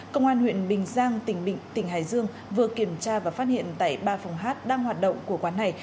công an huyện bình giang tỉnh hải dương vừa kiểm tra và phát hiện tại ba phòng hát đang hoạt động của quán này